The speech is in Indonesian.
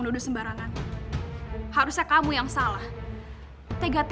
bagaimana kalau kamu gitu lho ah